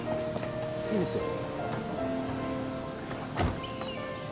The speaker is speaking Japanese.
いいですよ